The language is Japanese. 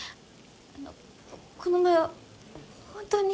あのこの前は本当に。